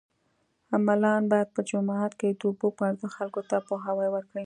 ملان باید په جوماتو کې د اوبو په ارزښت خلکو ته پوهاوی ورکړي